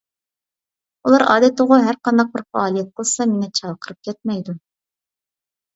ئۇلار ئادەتتىغۇ ھەرقانداق بىر پائالىيەت قىلسا مېنى چاقىرىپ كەتمەيدۇ.